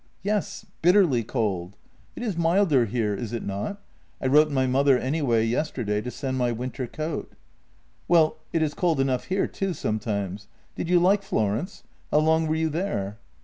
"" Yes, bitterly cold. It is milder here, is it not? I wrote my mother anyway yesterday to send my winter coat." " Well, it is cold enough here too sometimes. Did you like Florence? How long were you there?